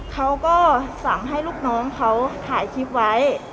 เขาก็สั่งให้ลูกน้องเขาถ่ายคลิปไว้